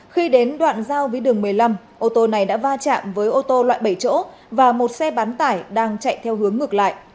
khi đến đoạn giao với đường một mươi năm ô tô này đã va chạm với ô tô loại bảy chỗ và một xe bán tải đang chạy theo hướng ngược lại